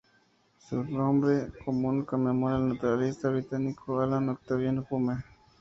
Su nombre común conmemora al naturalista británico Allan Octavian Hume.